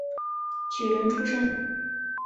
举人出身。